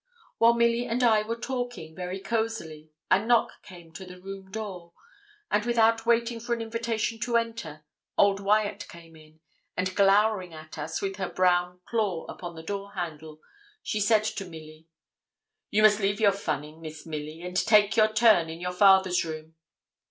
While Milly and I were talking, very cosily, a knock came to the room door, and, without waiting for an invitation to enter, old Wyat came in, and glowering at us, with her brown claw upon the door handle, she said to Milly 'Ye must leave your funnin', Miss Milly, and take your turn in your father's room.'